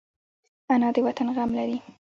انا د وطن غم لري